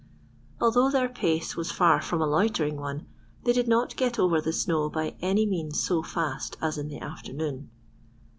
Although their pace was far from a loitering one, they did not get over the snow by any means so fast as in the afternoon.